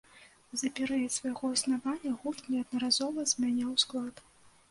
За перыяд свайго існавання гурт неаднаразова змяняў склад.